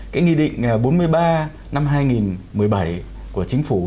cái nghị định bốn mươi ba năm hai nghìn một mươi bảy của chính phủ